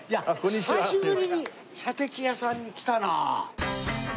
久しぶりに射的屋さんに来たな。